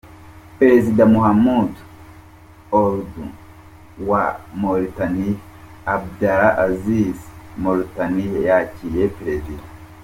Perezida Mohamed Ould wa Mauritania Abdel Aziz wa Mauritania yakiriye Perezida.